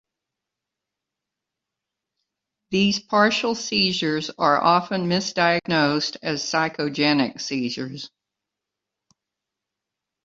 These partial seizures are often misdiagnosed as psychogenic seizures.